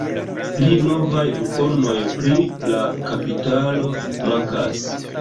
Pli novaj informoj pri la kapitalo mankas.